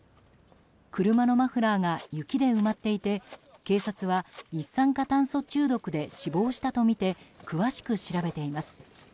車のマフラーが雪で埋まっていて警察は、一酸化炭素中毒で死亡したとみて詳しく調べています。